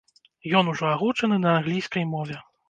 Ён ужо агучаны на англійскай мове.